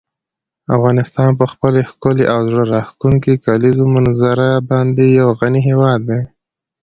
افغانستان په خپله ښکلې او زړه راښکونکې کلیزو منظره باندې یو غني هېواد دی.